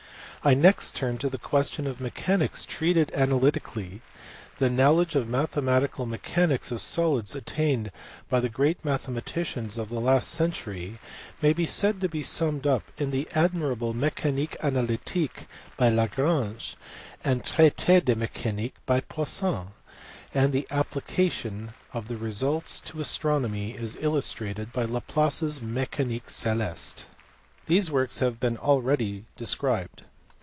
I next turn to the question of mechanics treated analytically. The knowledge of mathematical mechanics of solids attained by the great mathematicians of the last century may be said to be summed up in the admirable Mecanique analytique by Lagrange and Traite de mecanique by Poisson, and the appli cation of the results to astronomy is illustrated by Laplace s Mecanique celeste. These works have been already described.